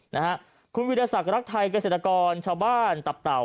นะฮะคุณวิทยาศักดิ์รักไทยเกษตรกรชาวบ้านตับเต่า